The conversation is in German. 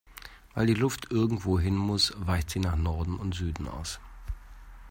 Weil die Luft irgendwo hin muss, weicht sie nach Norden und Süden aus.